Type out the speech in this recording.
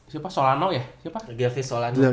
siapa solano ya siapa gervice solano